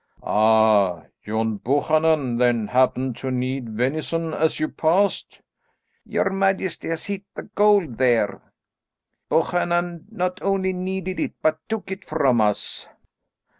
"Ah! John Buchanan then happened to need venison as you passed?" "Your majesty has hit the gold there. Buchanan not only needed it but took it from us."